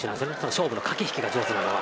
勝負の駆け引きが上手なのは。